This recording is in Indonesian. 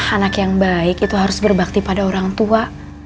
anak yang baik itu harus berbakti pada orang tua